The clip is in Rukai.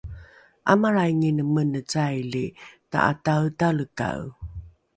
’amalraingine mene caili ta’ataetalekae